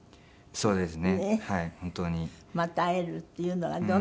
そうですよね。